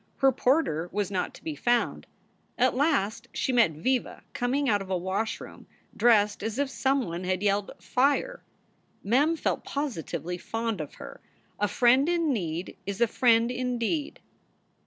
Her porter was not to be found. At last she met Viva coming out of a wash room, dressed as if some one had yelled "Fire." Mem felt positively fond of her; a friend in need is a friend indeed.